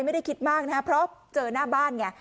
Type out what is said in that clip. ไม่ได้คิดมากนะครับเพราะเจอหน้าบ้านไง